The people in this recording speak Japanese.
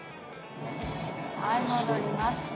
はい戻ります。